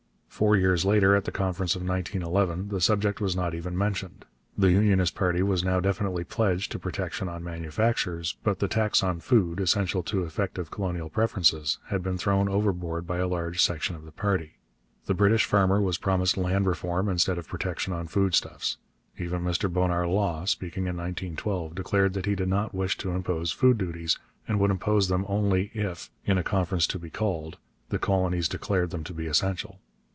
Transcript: Four years later, at the Conference of 1911, the subject was not even mentioned. The Unionist party was now definitely pledged to protection on manufactures, but the tax on food, essential to effective colonial preferences, had been thrown overboard by a large section of the party. The British farmer was promised land reform instead of protection on foodstuffs. Even Mr Bonar Law, speaking in 1912, declared that he did not wish to impose food duties, and would impose them only if, in a conference to be called, the colonies declared them to be essential.